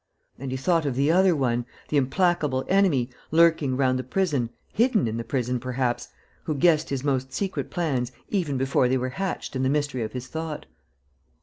And he thought of "the other one," the implacable enemy, lurking round the prison, hidden in the prison, perhaps, who guessed his most secret plans even before they were hatched in the mystery of his thought.